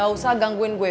gak usah gangguin gue